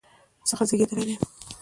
څخه زیږیدلی دی